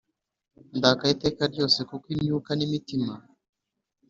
ndakaye iteka ryose kuko imyuka n imitima